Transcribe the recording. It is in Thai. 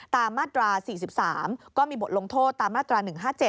มาตรา๔๓ก็มีบทลงโทษตามมาตรา๑๕๗